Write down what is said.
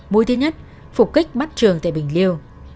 mũi thứ nhất phục kích mắt trường tại bình liêu